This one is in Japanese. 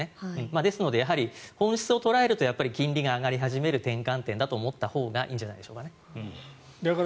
ですので、やはり本質を捉える金利が上がり始める転換点と考えていいんじゃないでしょうかね。